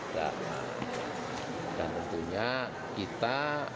dan tentunya kita